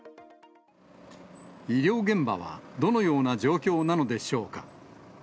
医療現場はどのような状況なのでしょうか。